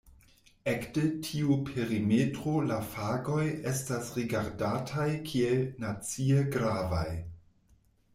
Ekde tiu perimetro la fagoj estas rigardataj kiel "nacie gravaj".